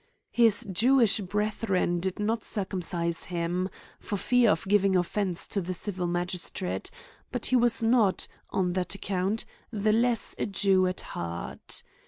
His Jewish brethren did not circumcise him, for fear of giving ofience to the civil magistrate ; but he was not, on that account, the less a Jew at heart.